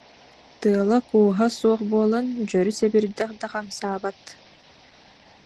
Тыала-кууһа суох буолан, дьөрү сэбирдэх да хамсаабат